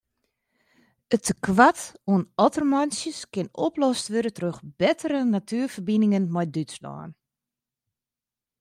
It tekoart oan ottermantsjes kin oplost wurde troch bettere natuerferbiningen mei Dútslân.